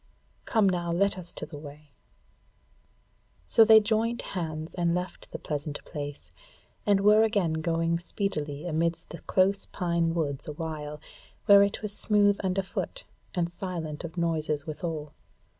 Come now, let us to the way." So they joined hands and left the pleasant place, and were again going speedily amidst the close pine woods awhile, where it was smooth underfoot and silent of noises withal.